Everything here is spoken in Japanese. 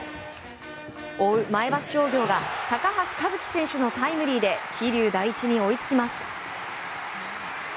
追う前橋商業が高橋一輝選手のタイムリーで桐生第一に追いつきます。